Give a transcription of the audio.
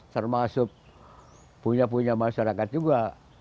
termasuk punya punya masyarakat juga